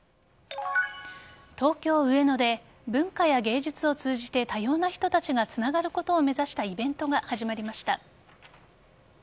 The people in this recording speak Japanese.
東京・上野で文化や芸術を通じて多様な人たちがつながることを目指したイベントが始まりました。